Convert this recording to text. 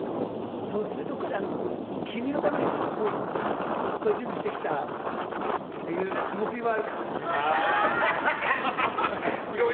君のためにいっぱい準備してきたっていうつもりはあるかもしれない。